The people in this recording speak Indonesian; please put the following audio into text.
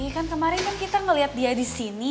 kan kemarin kita liat dia disini